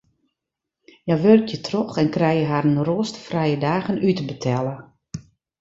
Hja wurkje troch en krije harren roasterfrije dagen útbetelle.